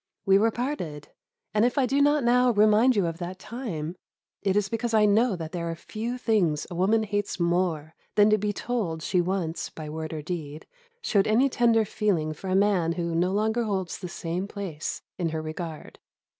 We were parted, and, if I do not now remind you of that time, it is because I know that there are few things a woman hates more than to be told she once, by word or deed, showed any tender feeling for a man who no longer holds the same place in her regard.